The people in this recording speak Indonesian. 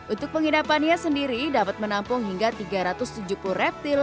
untuk penginapannya sendiri dapat menampung hingga tiga ratus tujuh puluh reptil